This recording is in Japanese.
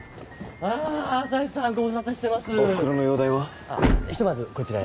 あっひとまずこちらへ。